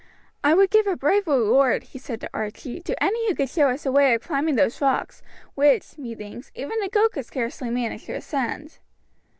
"I would give a brave reward," he said to Archie, "to any who could show us a way of climbing those rocks, which, methinks, even a goat could scarcely manage to ascend."